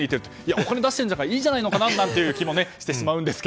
お金出しているんだからいいじゃないのかなという気もしてしまうんですが